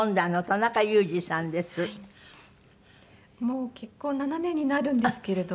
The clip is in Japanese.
もう結婚７年になるんですけれども。